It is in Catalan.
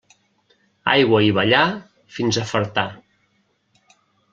Aigua i ballar, fins a fartar.